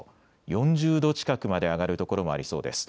４０度近くまで上がる所もありそうです。